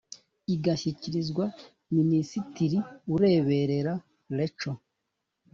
igashyikirizwa minisitiri ureberera reco